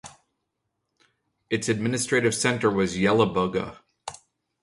Its administrative centre was Yelabuga.